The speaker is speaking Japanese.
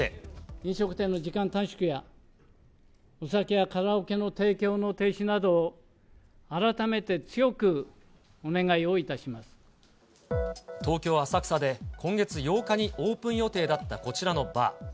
飲食店の時間短縮や、お酒やカラオケの提供の停止などを、改めて、強くお願いをいたし東京・浅草で今月８日にオープン予定だったこちらのバー。